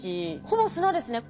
ほぼ砂ですね。